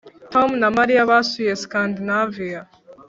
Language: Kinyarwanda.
Tom na Mariya basuye Scandinaviya